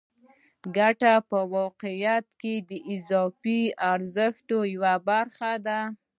ګته په واقعیت کې د اضافي ارزښت یوه برخه ده